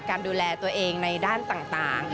ดูแลตัวเองในด้านต่าง